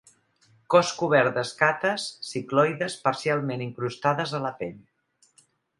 Cos cobert d'escates cicloides parcialment incrustades a la pell.